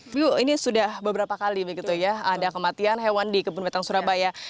fu ini sudah beberapa kali begitu ya ada kematian hewan di kebun bitang surabaya